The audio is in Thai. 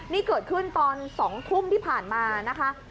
นี่เกิดขึ้นตอน๒ทุ่มที่ผ่านมานะคะ